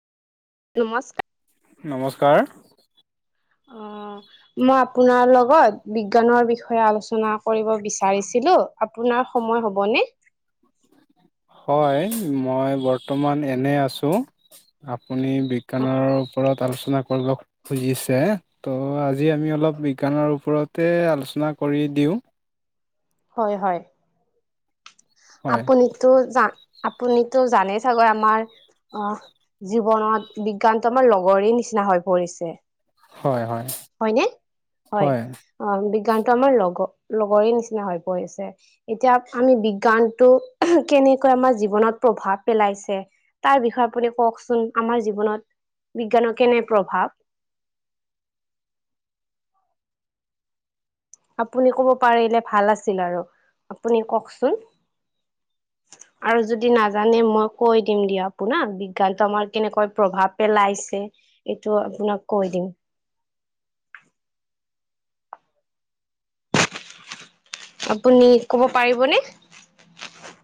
নমস্কাৰ, নমস্কাৰ। অ, মই আপোনাৰ লগত বিজ্ঞানৰ বিষয়ে আলোচনা কৰিব বিচাৰিছিলোঁ, আপোনাৰ সময় হ'ব নে? হয়, মই বৰ্তমান এনেই আছোঁ। আপুনি বিজ্ঞানৰ ওপৰত আলোচনা কৰি লওক, খুজিছে ত' আজি আমি অলপ বিজ্ঞানৰ ওপৰতে আলোচনা কৰি দিওঁ। হয়, হয়, হয় আপুনিতো জান আপুনিতো জানেই চাগৈ আমাৰ, অ, জীৱনত বিজ্ঞানতো আমাৰ লগৰে নিচিনা হৈ পৰিছে। হয়, হয়, হয়নে? হয়, অ, বিজ্ঞানতটো আমাৰ লগৰ লগৰে নিচিনা হৈ পৰিছে। এতিয়া আমি বিজ্ঞানতটো কেনেকৈ আমাৰ জীৱনত প্ৰভাৱ পেলাইছে, তাৰ বিষয়ে আপুনি কওকচোন আমাৰ জীৱনত বিজ্ঞানৰ কেনে প্ৰভাৱ আপুনি কব পাৰিলে ভাল আছিল আৰু আপুনি কওকচোন। আৰু যদি নাজানে মই কৈ দিম দিয়া আপুোনাৰ বিজ্ঞানতো আমাৰ কেনেকৈ প্ৰভাৱ পেলাইছে। এইটো আপোনাক কৈ দিম। আপুনি ক'ব পাৰিবনে?